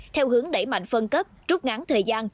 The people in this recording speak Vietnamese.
theo hướng đẩy mạnh phân cấp rút ngắn thời gian